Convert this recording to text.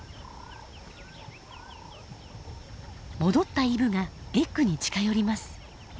戻ったイブがエッグに近寄ります。